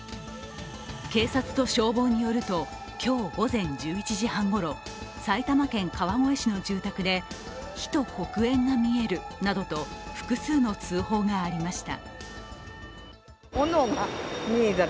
警察と消防によると、今日午前１１時半ごろ、埼玉県川越市の住宅で、火と黒煙が見えるなどと複数の通報がありました。